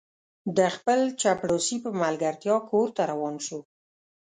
د خپل چپړاسي په ملګرتیا کور ته روان شو.